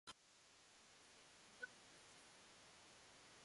千葉県鋸南町